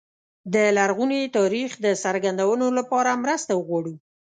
د لرغوني تاریخ د څرګندولو لپاره مرسته وغواړو.